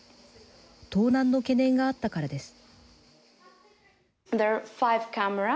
盗難の懸念があったからです。